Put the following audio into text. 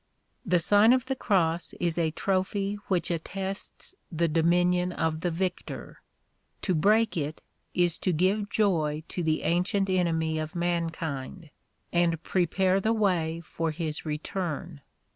The Sign of the Cross is a trophy which attests the dominion of the victor. To break it, is to give joy to the ancient enemy of man kind, and prepare the way for his return.